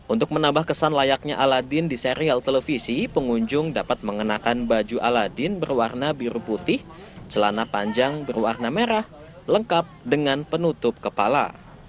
untuk menambah kesan layaknya aladin di serial televisi pengunjung dapat mengenakan baju aladin berwarna biru putih celana panjang berwarna merah lengkap dengan penutup kepala